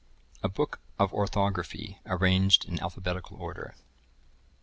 A book of Orthography arranged in Alphabetical Order.